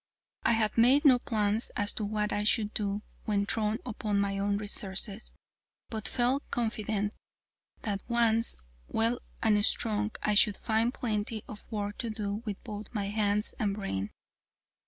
I had made no plans as to what I should do when thrown upon my own resources, but felt confident that once well and strong I should find plenty of work to do with both my hands and brain.